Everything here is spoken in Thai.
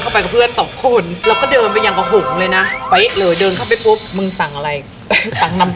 เขาเป็นเพื่อสองคนแล้วก็ยังกระหงเลยนะไปเลยเดินเข้าไปปุ๊บมึงสั่งอะไรจนกาง